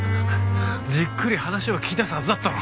じっくり話を聞き出すはずだったろ！